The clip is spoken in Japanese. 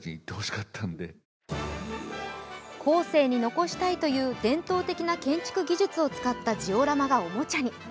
後世に残したいという伝統的な建築技術を使ったジオラマがおもちゃに。